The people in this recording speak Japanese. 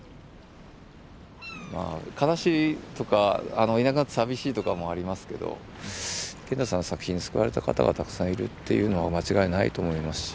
まあ悲しいとかいなくなって寂しいとかもありますけど賢太さんの作品に救われた方がたくさんいるっていうのは間違いないと思いますし。